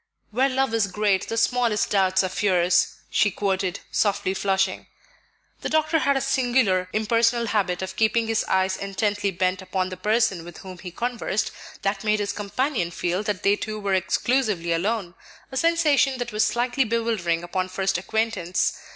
"'Where love is great, the smallest doubts are fears,'" she quoted, softly flushing. The doctor had a singular impersonal habit of keeping his eyes intently bent upon the person with whom he conversed, that made his companion feel that they two were exclusively alone, a sensation that was slightly bewildering upon first acquaintance.